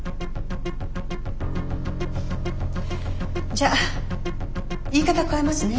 じゃあ言い方を変えますね。